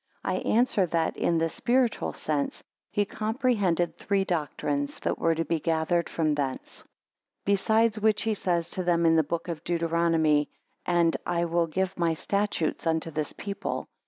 I answer that, in the spiritual sense, he comprehended three doctrines, that were to be gathered from thence. 2 Besides which he says to them in the book of Deuteronomy, And I will give my statutes unto this people.